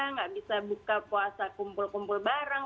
nggak bisa buka puasa kumpul kumpul bareng